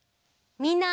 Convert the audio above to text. みんな。